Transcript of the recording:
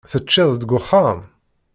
Teččiḍ-d deg uxxam?